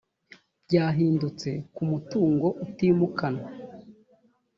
byahindutse ku mutungo utimukanwa